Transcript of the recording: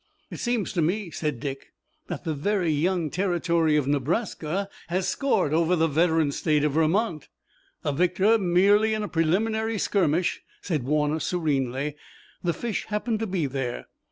"It seems to me," said Dick, "that the very young Territory of Nebraska has scored over the veteran State of Vermont." "A victor merely in a preliminary skirmish," said Warner serenely. "The fish happened to be there.